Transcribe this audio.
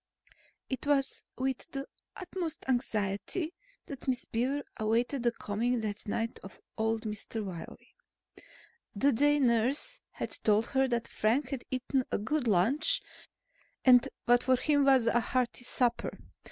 It was with the utmost anxiety that Miss Beaver awaited the coming that night of old Mr. Wiley. The day nurse had told her that Frank had eaten a good lunch and what for him was a hearty supper.